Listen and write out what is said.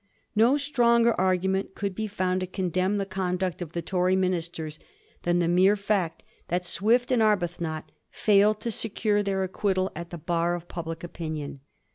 No stronger argument could be found to condemn the conduct of the Tory ministers than the mere fact that Swift and Arbuthnot failed ta secure their acquittal at the bar of public opinion.